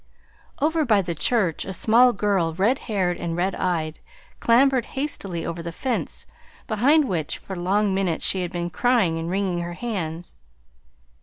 Over by the church a small girl, red haired and red eyed, clambered hastily over the fence behind which for long minutes she had been crying and wringing her hands.